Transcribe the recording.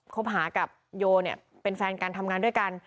คบหากับโยเนี่ยเป็นแฟนกันทำงานด้วยกัน